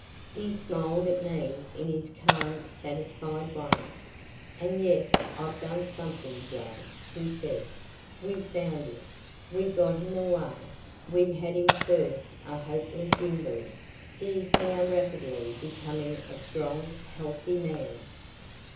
He smiled at me in his calm satisfied way. "And yet I've done something, Joe," he said. "We found him we got him away we had him first a hopeless invalid he is now rapidly becoming a strong healthy man."